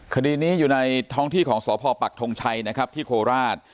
คดีนี้อยู่ในท้องที่ของสพปักทงชัยนะครับที่โคราช